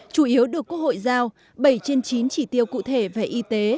chủ yếu được quốc hội giao bảy trên chín chỉ tiêu cụ thể về y tế